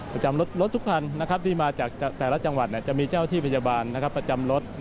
ประจำรถทุกคันที่มาจากแต่ละจังหวัดจะมีเจ้าที่พยาบาลประจำรถ